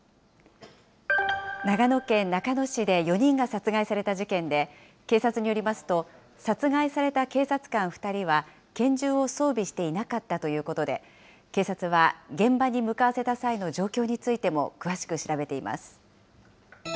長野県中野市で４人が殺害された事件で、警察によりますと、殺害された警察官２人は拳銃を装備していなかったということで、警察は現場に向かわせた際の状況についても詳しく調べています。